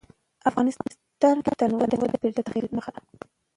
افغانستان کې تنوع د چاپېریال د تغیر نښه ده.